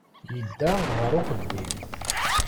Yedda ɣer uxeddim.